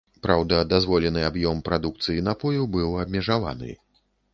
Праўда, дазволены аб'ём прадукцыі напою быў абмежаваны.